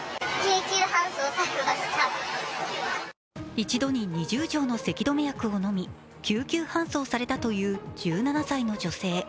１度に２０錠のせき止め薬を飲み救急搬送されたという１７歳の女性。